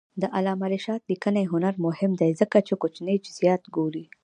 د علامه رشاد لیکنی هنر مهم دی ځکه چې کوچني جزئیات ګوري.